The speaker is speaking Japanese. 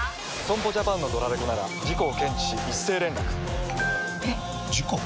損保ジャパンのドラレコなら事故を検知し一斉連絡ピコンえっ？！事故？！